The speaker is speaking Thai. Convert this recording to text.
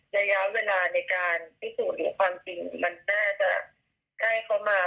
ระยะเวลาในการพิสูจน์ความจริงมันน่าจะใกล้เข้ามา